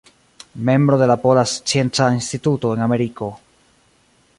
Membro de la Pola Scienca Instituto en Ameriko.